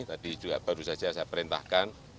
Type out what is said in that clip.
tadi juga baru saja saya perintahkan